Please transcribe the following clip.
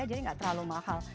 jadi enggak terlalu mahal